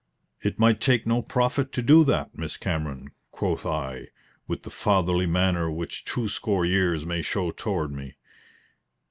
"It might take no prophet to do that, Miss Cameron," quoth I, with the fatherly manner which twoscore years may show toward one.